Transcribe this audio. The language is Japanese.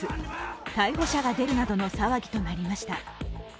逮捕者が出るなどの騒ぎとなりました。